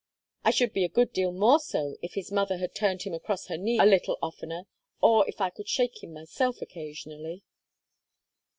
"I should be a good deal more so if his mother had turned him across her knee a little oftener or if I could shake him myself occasionally."